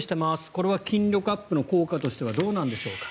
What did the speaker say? これは筋力アップの効果としてはどうなんでしょうか。